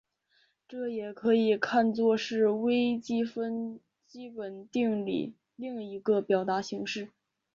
这也可以看作是微积分基本定理另一个表达形式。